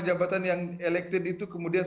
jabatan yang elektif itu kemudian